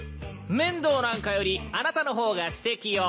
「面堂なんかよりあなたの方がすてきよ」